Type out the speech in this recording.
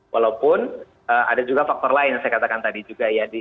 walaupun ada juga faktor lain yang saya katakan tadi juga ya